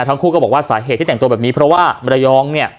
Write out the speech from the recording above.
ทั้งคู่ก็บอกว่าสาเหตุที่แต่งตัวแบบนี้เพราะว่ามรยองเนี่ย